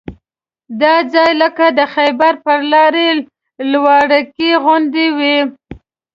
دا ځای لکه د خیبر پر لاره لواړګي غوندې وو.